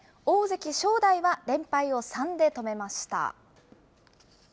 大関・正代は連敗を３で止めました。